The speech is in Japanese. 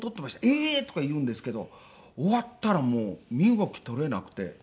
「ええー！」とか言うんですけど終わったらもう身動き取れなくて。